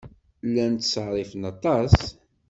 Llan ttṣerrifen aṭas.